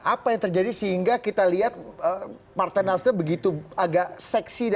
apa yang terjadi sehingga kita lihat partai nasdem begitu agak seksi